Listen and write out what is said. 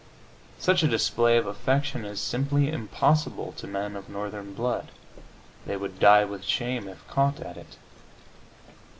Such a display of affection is simply impossible to men of Northern blood; they would die with shame if caught at it.